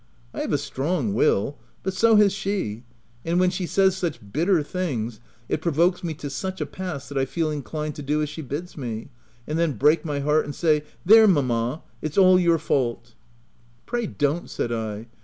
I have a strong will, but so has she, and when she says such bitter things, it provokes me to such a pass that I feel in clined to do as she bids me, and then break my heart and say c There, mamma, it's all your fault P * OF WILDFELL HALL. 81 "Pray don't!" said I.